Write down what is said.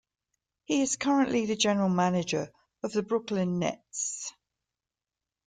He is currently the general manager of the Brooklyn Nets.